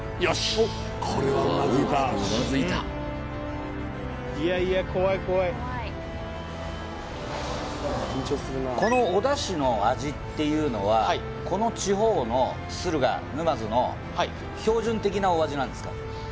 今度は大きくうなずいたこのお出汁の味っていうのはこの地方の駿河沼津の標準的なお味なんですか？